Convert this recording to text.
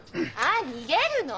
あっ逃げるの？